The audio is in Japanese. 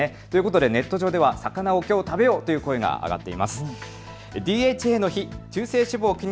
ネット上では魚をきょう食べようという声が上がっています。